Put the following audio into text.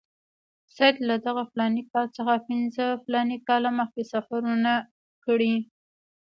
سید له دغه فلاني کال څخه پنځه فلاني کاله مخکې سفرونه کړي.